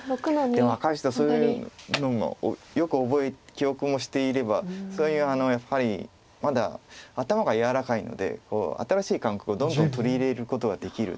でも若い人はそういうのをよく記憶もしていればそれにやっぱりまだ頭が柔らかいので新しい感覚をどんどん取り入れることができる。